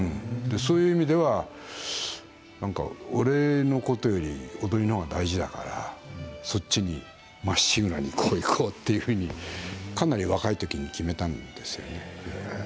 そういう意味では俺のことより踊りのほうが大事だからそっちにまっしぐらにいこうというふうに、かなり若いときに決めたんですよね。